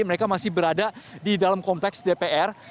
mereka masih berada di dalam kompleks dpr